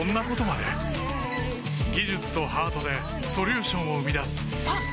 技術とハートでソリューションを生み出すあっ！